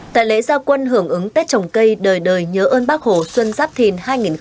tại lễ gia quân hưởng ứng tết trồng cây đời đời nhớ ơn bác hồ xuân giáp thìn hai nghìn hai mươi bốn